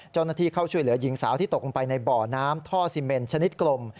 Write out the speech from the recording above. เจ้าหน้าที่เข้าช่วยเหลือหญิงสาวที่ตกลงไปในบ่อน้ำท่อซีเมนชนิดกลม